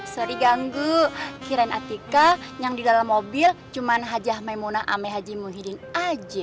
sorry ganggu kirain atika yang di dalam mobil cuman haja memuna ame haji muhyiddin aja